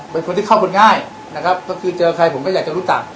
เป็นคนที่เข้าคนง่ายนะครับก็คือเจอใครผมก็อยากจะรู้จัก